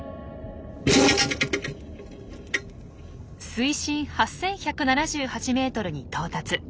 水深８，１７８ｍに到達。